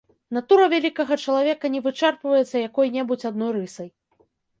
Натура вялікага чалавека не вычэрпваецца якой-небудзь адной рысай.